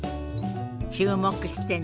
注目してね。